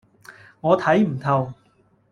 我睇唔透